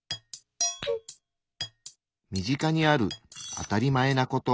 身近にある「あたりまえ」なこと。